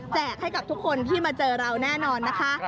ให้กับทุกคนที่มาเจอเราแน่นอนนะคะ